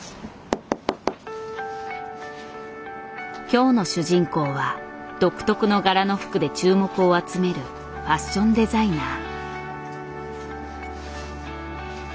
今日の主人公は独特の柄の服で注目を集めるファッションデザイナー。